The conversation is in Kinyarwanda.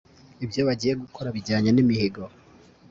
ibyo bagiye gukora bijyanye n'imihigo